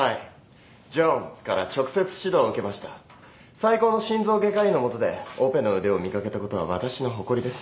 最高の心臓外科医のもとでオペの腕を磨けたことは私の誇りです。